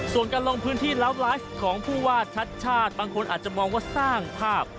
ส่วนการลงพื้นที่แล้วไลฟ์ของผู้ว่าชัดชาติบางคนอาจจะมองว่าสร้างภาพ